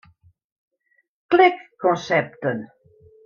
Klik Konsepten.